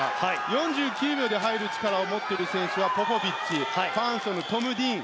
４９秒で入る力を持っている選手はポポビッチファン・ソヌ、トム・ディーン。